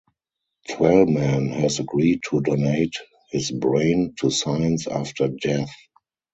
Twellman has agreed to donate his brain to science after death.